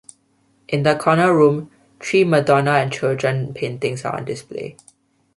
In the corner room, three Madonna and Children paintings are on display.